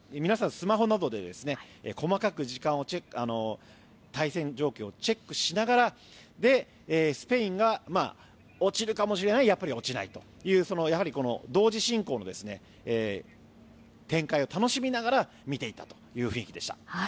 スマホなどで細かく対戦状況をチェックしながらでスペインが落ちるかもしれないやっぱり落ちないという同時進行の展開を楽しみながら見ていたという雰囲気でした。